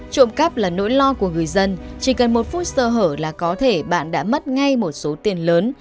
trộm cắp là nỗi lo của người dân chỉ cần một phút sơ hở là có thể bạn đã mất ngay một số tiền lớn